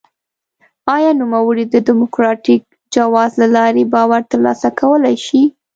آیا نوموړی د ډیموکراټیک جواز له لارې باور ترلاسه کولای شي؟